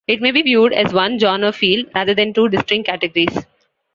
It may be viewed as one genre field, rather than two distinct categories.